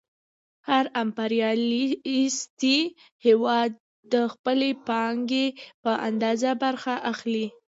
هر امپریالیستي هېواد د خپلې پانګې په اندازه برخه اخلي